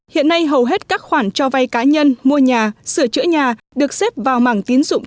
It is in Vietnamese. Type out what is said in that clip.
hiện nay hầu hết các khoản cho vay cá nhân mua nhà sửa chữa nhà được xếp vào mảng tín dụng